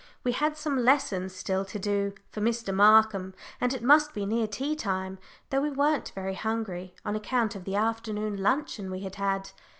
We had some lessons still to do for Mr. Markham, and it must be near tea time, though we weren't very hungry, on account of the afternoon luncheon we had had.